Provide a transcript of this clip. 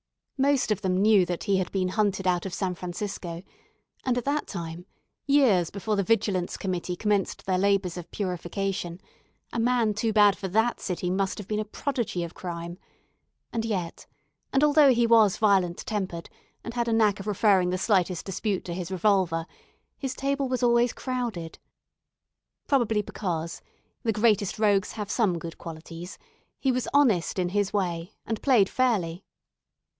Most of them knew that he had been hunted out of San Francisco; and at that time years before the Vigilance Committee commenced their labours of purification a man too bad for that city must have been a prodigy of crime: and yet, and although he was violent tempered, and had a knack of referring the slightest dispute to his revolver, his table was always crowded; probably because the greatest rogues have some good qualities he was honest in his way, and played fairly.